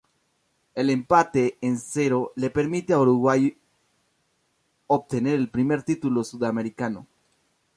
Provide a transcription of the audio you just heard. El empate en cero le permitió a Uruguay obtener el primer título sudamericano.